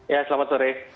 ya selamat sore